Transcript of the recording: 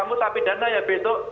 kamu tapi dana ya beto